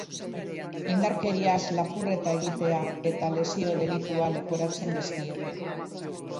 Indarkeriaz lapurreta egitea eta lesio delitua leporatzen dizkiete.